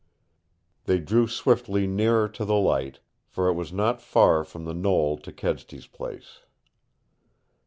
They drew swiftly nearer to the light, for it was not far from the knoll to Kedsty's place.